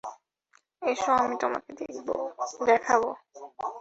এসো, আমি তোমাকে দেখাব।